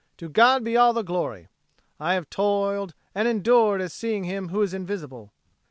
To God be all the glory! I have toiled and endured as seeing Him who is invisible.